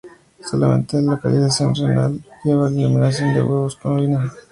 Solamente la localización renal lleva a la eliminación de huevos con la orina.